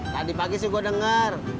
tadi pagi sih gue dengar